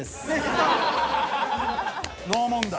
ノー問題。